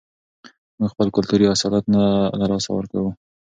موږ خپل کلتوري اصالت نه له لاسه ورکوو.